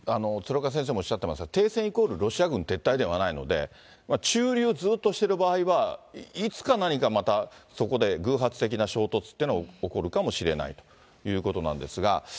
鶴岡先生もおっしゃってますが、停戦イコールロシア軍撤退ではないので、駐留をずっとしている場合は、いつか何かまた、そこで偶発的な衝突というのが起こるかもしれないということなんですが。